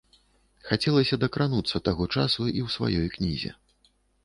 Хацелася дакрануцца таго часу і ў сваёй кнізе.